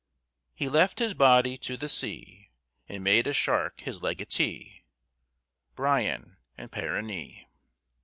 "He left his body to the sea, And made a shark his legatee." BRYAN AND PERENNE.